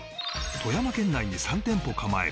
富山県内に３店舗構える